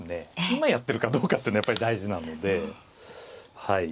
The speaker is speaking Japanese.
今やってるかどうかっていうのはやっぱり大事なので。